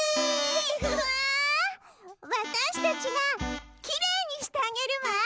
うわわたしたちがきれいにしてあげるわ。